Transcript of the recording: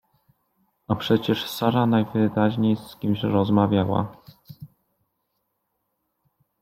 A przecież Sara najwyraźniej z kimś rozmawiała!